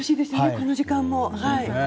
この時間も。